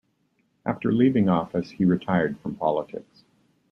After leaving office, he retired from politics.